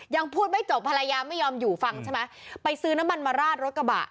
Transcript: ยังพูดไม่จบภรรยาไม่ยอมอยู่ฟังใช่ไหมไปซื้อน้ำมันมาราดรถกระบะ